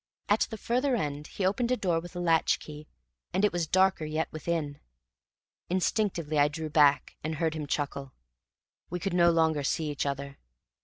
At the further end he opened a door with a latch key, and it was darker yet within. Instinctively I drew back and heard him chuckle. We could no longer see each other.